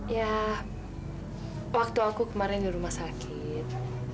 ya waktu aku kemarin di rumah sakit